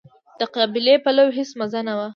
د قابلي پلو هيڅ مزه نه وه.